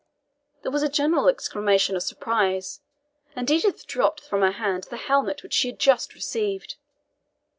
There was a general exclamation of surprise, and Edith dropped from her hand the helmet which she had just received.